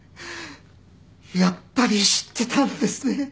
やっぱり知ってたんですね。